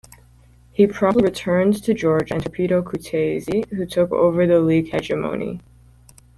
He promptly returned to Georgia and Torpedo Kutaisi, who took over the league hegemony.